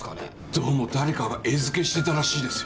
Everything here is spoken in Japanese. どうも誰かが餌付けしてたらしいですよ。